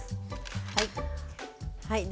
はい。